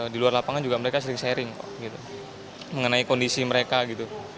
di luar lapangan juga mereka sering sharing kok gitu mengenai kondisi mereka gitu